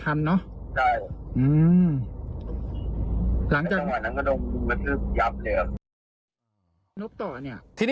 แต่เราปัดทัน